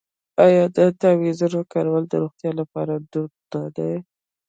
آیا د تعویذونو کارول د روغتیا لپاره دود نه دی؟